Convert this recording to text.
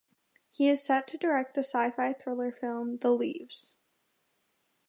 He is set to direct the sci-fi thriller film "The Leaves".